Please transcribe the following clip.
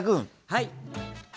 はい！